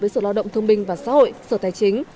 với sở lo động thông minh và xã hội sở tài chính